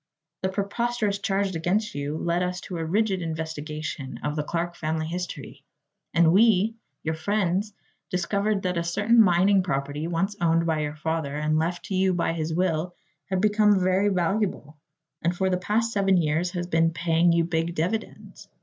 The preposterous charge against you led us to a rigid investigation of the Clark family history, and we your friends discovered that a certain mining property once owned by your father and left to you by his will, had become very valuable and for the past seven years has been paying you big dividends.